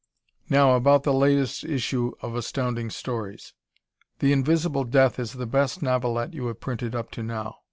Now about the latest issue of Astounding Stories. "The Invisible Death" is the best novelette you have printed up to now.